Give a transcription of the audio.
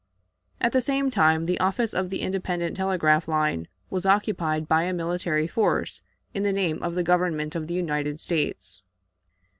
At the same time the office of the independent telegraph line was occupied by a military force in the name of the Government of the United States.